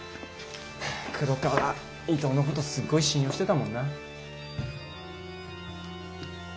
黒川伊藤のことすっごい信用してたもんな。